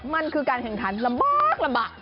มันคือการแข่งขันลำบาก